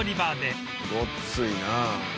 ごっついな。